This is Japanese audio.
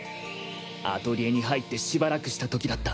アトリエに入ってしばらくした時だった。